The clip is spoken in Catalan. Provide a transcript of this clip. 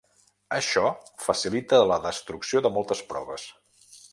Això facilita la destrucció de moltes proves.